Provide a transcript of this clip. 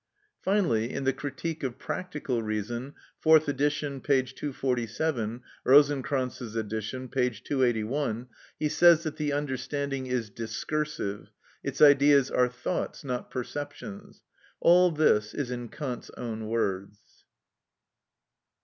Finally, in the "Critique of Practical Reason," fourth edition, p. 247; Rosenkranz's edition, p. 281, he says that the understanding is discursive; its ideas are thoughts, not perceptions. All this is in Kant's own words.